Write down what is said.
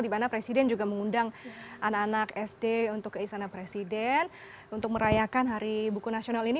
di mana presiden juga mengundang anak anak sd untuk ke istana presiden untuk merayakan hari buku nasional ini